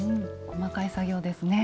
細かい作業ですね。